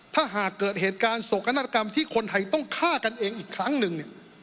ถ้าหากเกิดเหตุการณ์โศกนาฏกรรมที่คนไทยต้องฆ่ากันเองอีกครั้งหนึ่งเนี่ย